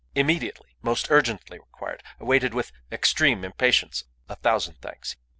Immediately. Most urgently required. Awaited with extreme impatience. A thousand thanks.